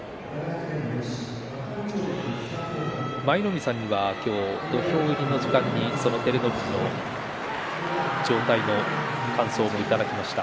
舞の海さんには土俵入りの時間に照ノ富士の状態の感想もいただきました。